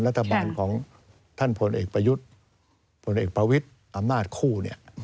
รัฐบาลของท่านพลเอกประยุทธ์ผลเอกประวิทธิ์อำนาจคู่